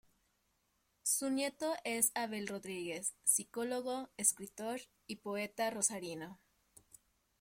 Su nieto es Abel Rodríguez, psicólogo, escritor y poeta rosarino.